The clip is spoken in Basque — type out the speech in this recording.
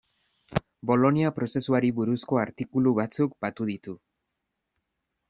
Bolonia prozesuari buruzko artikulu batzuk batu ditu.